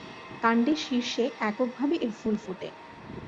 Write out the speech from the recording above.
কাণ্ডের শীর্ষে একক ভাবে এর ফুল ফোটে।